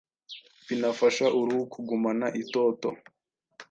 binafasha uruhu kugumana itoto,